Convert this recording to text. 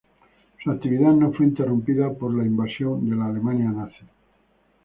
Su actividad no fue interrumpida por invasión de la Alemania Nazi.